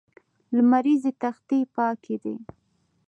لمریزې تختې پاکې دي.